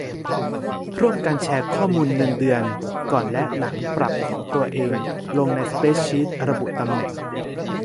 ร่วมกันแชร์ข้อมูลเงินเดือนก่อนและหลังปรับของตัวเองลงในสเปรดชีต ระบุตำแหน่ง